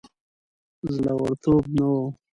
زړه ورتوب نه وو.